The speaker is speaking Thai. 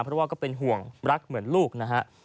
เพราะว่าก็เป็นห่วงรักเหมือนลูกนะฮะ